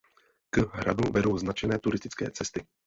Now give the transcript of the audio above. K hradu vedou značené turistické cesty.